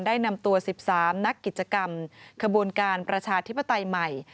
ได้นำตัว๑๓นักกิจกรรมขบวนการประชาธิปไตยใหม่